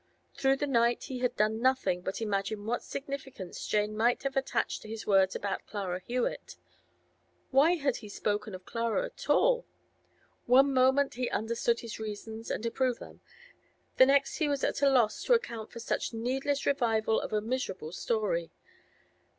Through the night he had done nothing but imagine what significance Jane might have attached to his words about Clara Hewett. Why had he spoken of Clara at all? One moment he understood his reasons, and approved them; the next he was at a loss to account for such needless revival of a miserable story.